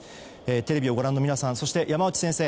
テレビをご覧の皆さんそして山内先生